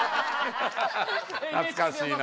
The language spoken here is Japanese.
懐かしいな。